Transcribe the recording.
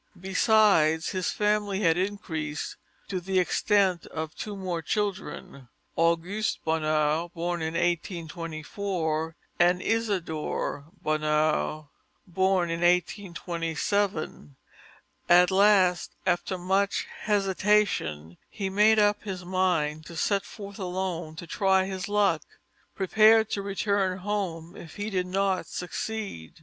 Besides, his family had increased to the extent of two more children: Auguste Bonheur, born in 1824, and Isidore Bonheur, born in 1827. At last, after much hesitation, he made up his mind to set forth alone to try his luck, prepared to return home if he did not succeed.